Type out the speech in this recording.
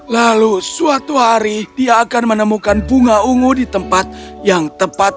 lalu suatu hari dia akan menemukan bunga ungu di tempat yang tepat